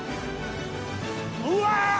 うわ！